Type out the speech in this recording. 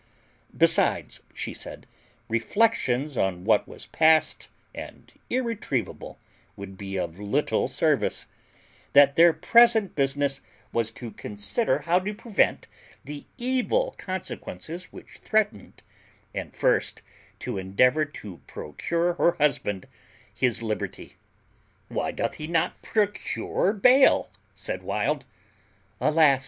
Besides, she said, reflections on what was past and irretrievable would be of little service; that their present business was to consider how to prevent the evil consequences which threatened, and first to endeavour to procure her husband his liberty. "Why doth he not procure bail?" said Wild. "Alas!